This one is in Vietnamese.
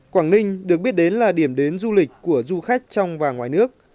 quảng ninh được biết đến là điểm đến du lịch của du khách trong và ngoài nước